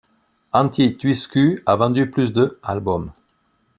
Antti Tuisku a vendu plus de albums.